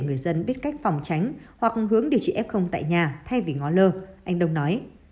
anh đông nói anh không biết cách phòng tránh hoặc hướng điều trị f tại nhà thay vì ngó lơ anh đông nói